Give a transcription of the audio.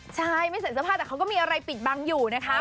ใช่ไม่ใส่เสื้อผ้าแต่เขาก็มีอะไรปิดบังอยู่นะคะ